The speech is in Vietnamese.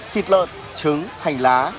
thịt lợn trứng hành lá